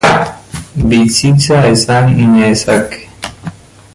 Bizitza, esan nezake.